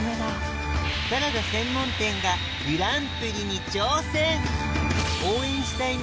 サラダ専門店がグランプリに挑戦